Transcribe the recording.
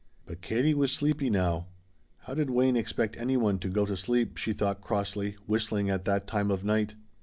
But Katie was sleepy now. How did Wayne expect any one to go to sleep, she thought crossly, whistling at that time of night.